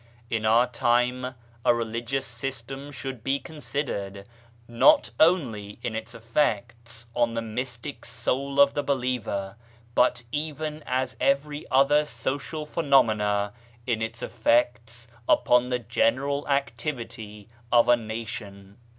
In our time a religious system should be con sidered, not only in its effects on the mystic soul of the believer, but even as every other social phenomena — in its effects upon the general activity of a nation.